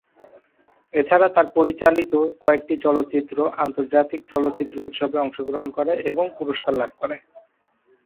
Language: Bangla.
এছাড়া তার পরিচালিত কয়েকটি চলচ্চিত্র আন্তর্জাতিক চলচ্চিত্র উৎসবে অংশগ্রহণ করে এবং পুরস্কার লাভ করে।